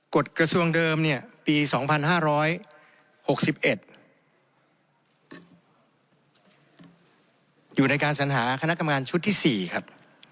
กฎกระทรวงเดิมเนี่ยปี๒๕๖๑อยู่ในการสัญหาคณะกรรมการชุดที่๔ครับ